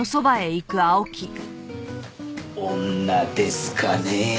女ですかね？